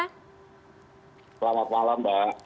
selamat malam mbak